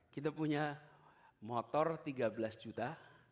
kita punya motor tiga belas juta